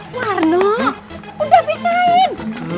warna udah pisahin